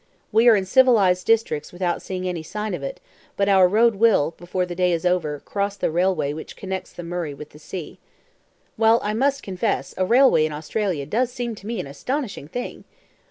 We are in civilized districts without seeing any sign of it; but our road will, before the day is over, cross the railway which connects the Murray with the sea. Well, I must confess, a railway in Australia does seem to me an astonishing thing!"